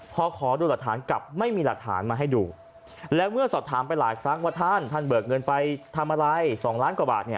พอขอดูหลักฐานกลับไม่มีหลักฐานมาให้ดูแล้วเมื่อสอบถามไปหลายครั้งว่าท่านท่านเบิกเงินไปทำอะไร๒ล้านกว่าบาทเนี่ย